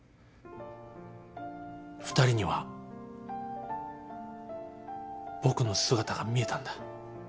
２人には僕の姿が見えたんだ。